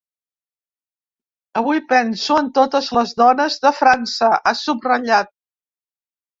Avui penso en totes les dones de França, ha subratllat.